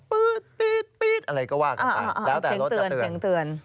ปื๊ดปี๊ดปี๊ดอะไรก็ว่ากันค่ะแล้วแต่รถก็เตือน